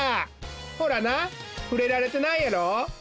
ほらなふれられてないやろ？